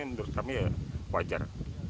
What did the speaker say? menurut kami ya wajar